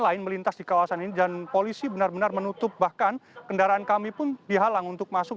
lain melintas di kawasan ini dan polisi benar benar menutup bahkan kendaraan kami pun dihalang untuk masuk